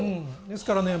ですからね